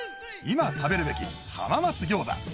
今食べるべき浜松餃子